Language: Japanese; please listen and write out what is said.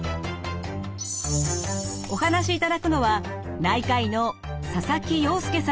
お話しいただくのは内科医の佐々木陽典さんです。